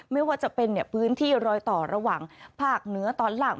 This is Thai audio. ไม่ว่าจะเป็นพื้นที่รอยต่อระหว่างภาคเหนือตอนล่าง